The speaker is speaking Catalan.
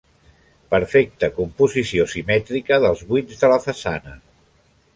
Perfecta composició simètrica dels buits de façana.